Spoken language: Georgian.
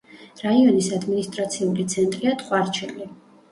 რაიონის ადმინისტრაციული ცენტრია ტყვარჩელი.